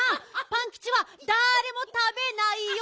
パンキチはだれもたべないよ。